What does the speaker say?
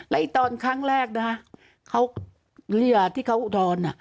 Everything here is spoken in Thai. และตอนครั้งแรกนะเขาเรียกที่เขาอุทธรณ์